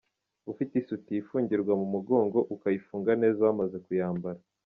Ufite isutiye ifungirwa mu mugongo, ukayifunga neza wamaze kuyambara.